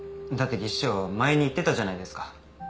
だって技師長前に言ってたじゃないですか。